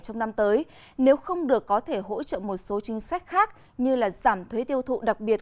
trong năm tới nếu không được có thể hỗ trợ một số chính sách khác như giảm thuế tiêu thụ đặc biệt